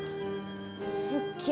すっげぇ！